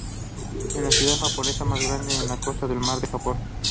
Es la ciudad japonesa más grande en la costa del mar de Japón.